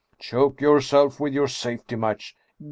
"" Choke yourself with your safety match